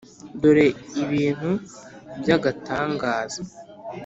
dore ibintu by’agatangaza.